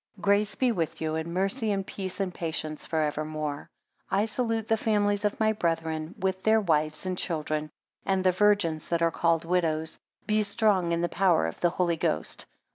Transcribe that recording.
23 Grace be with you, and mercy, and peace, and patience, for evermore. 24 I salute the families of my brethren, with their wives and children; and the virgins that are called widows. Be strong in the power of the Holy Ghost.